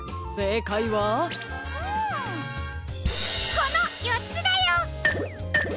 このよっつだよ！